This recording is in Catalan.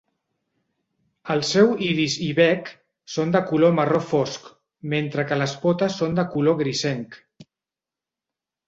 El seu iris i bec són de color marró fosc mentre que les potes són de color grisenc.